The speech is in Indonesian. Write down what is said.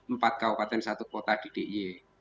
empat kawasan satu kota di diy